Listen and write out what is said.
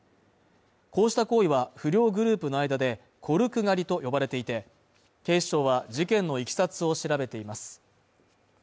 こうした行為は、不良グループの間で、コルク狩りと呼ばれていて、警視庁は事件のいきさつを調べています。